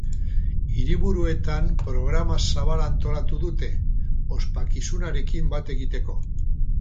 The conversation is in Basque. Hiriburuetan programa zabala antolatu dute, ospakizunarekin bat egiteko.